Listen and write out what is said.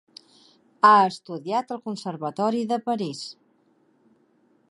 Ha estudiat al Conservatori de Paris.